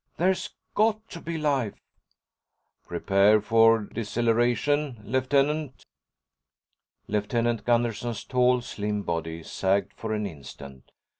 There's got to be life." "Prepare for deceleration, Lieutenant." Lieutenant Gunderson's tall, slim body sagged for an instant.